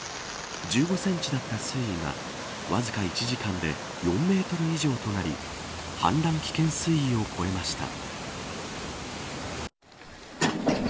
１５センチだった水位がわずか１時間で４メートル以上となり氾濫危険水位を超えました。